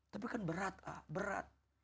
tapi kan berat ah berat